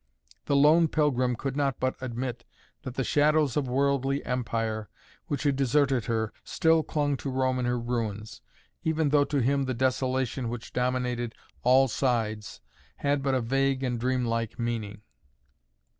The lone pilgrim could not but admit that the shadows of worldly empire, which had deserted her, still clung to Rome in her ruins, even though to him the desolation which dominated all sides had but a vague and dreamlike meaning.